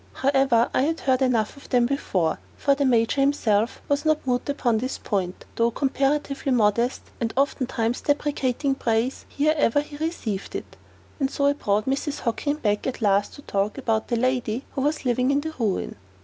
However, I had heard enough of them before; for the Major himself was not mute upon this point, though comparatively modest, and oftentimes deprecating praise ere ever he received it. And so I brought Mrs. Hockin back at last to talk about the lady who was living in the ruin.